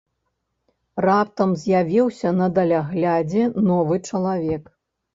Раптам з'явіўся на даляглядзе новы чалавек.